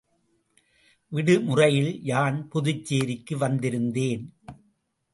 விடுமுறையில் யான் புதுச்சேரிக்கு வந்திருந்தேன்.